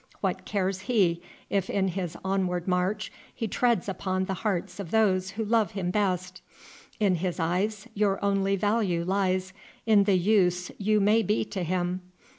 What cares he if in his onward march he treads upon the hearts of those who love him best. In his eyes your only value lies in the use you may be to him.